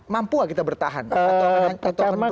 mampu kita bertahan atau akan beruntung